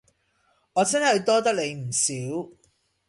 我真係多得你唔少